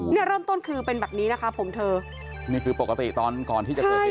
เนี่ยเริ่มต้นคือเป็นแบบนี้นะคะผมเธอนี่คือปกติตอนก่อนที่จะเกิดเหตุ